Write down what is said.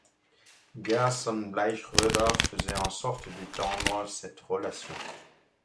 Gerson Bleichröder faisait en sorte d'étendre cette relation.